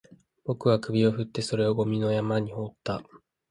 僕は首を振って、それをゴミの山に放った